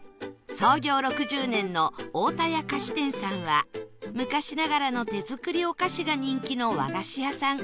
創業６０年の太田屋菓子店さんは昔ながらの手作りお菓子が人気の和菓子屋さん